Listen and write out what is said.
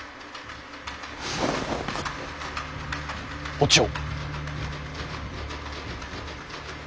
お千代。